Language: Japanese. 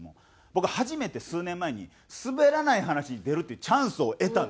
僕初めて数年前に『すべらない話』に出るっていうチャンスを得たんですね。